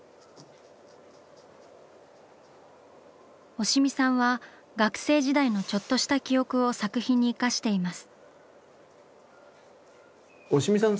押見さんは学生時代のちょっとした記憶を作品に生かしています。